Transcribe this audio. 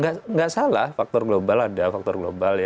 tidak salah ada faktor global